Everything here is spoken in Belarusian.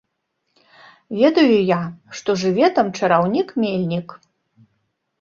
Ведаю я, што жыве там чараўнік-мельнік.